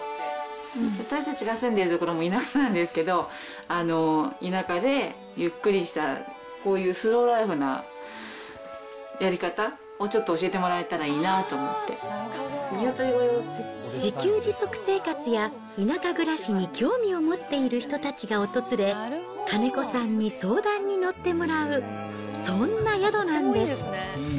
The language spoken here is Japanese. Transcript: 私たちが住んでいる所も田舎なんですけど、田舎でゆっくりした、こういうスローライフなやり方をちょっと教えてもらえたらいいな自給自足生活や、田舎暮らしに興味を持っている人たちが訪れ、金子さんに相談に乗ってもらう、そんな宿なんです。